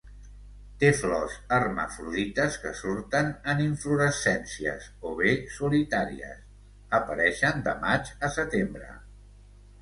Té flors hermafrodites, que surten en inflorescències o bé solitàries, apareixen de maig a setembre.